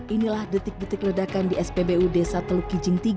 inilah detik detik ledakan di spbu desa teluk kijing tiga